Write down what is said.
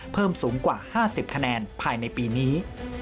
เพิ่มสูงกว่า๕๐คะแนนภายในปีนี้